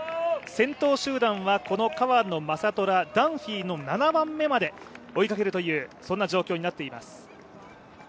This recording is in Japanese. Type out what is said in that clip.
先頭集団はこの川野将虎ダンフィーの７番目まで追いかけるという状況になっています。